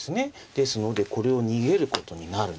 ですのでこれを逃げることになるんですけど